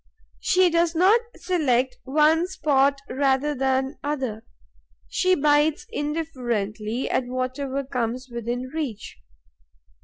She does not select one spot rather than another; she bites indifferently at whatever comes within reach.